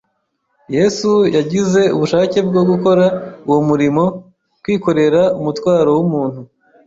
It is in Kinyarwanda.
Yesu yagize ubushake bwo gukora uwo murimo, kwikorera umutwaro w’umuntu